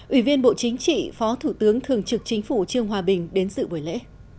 ủy viên bộ chính trị phó thủ tướng thường trực chính phủ trương hòa bình đến sự buổi lễ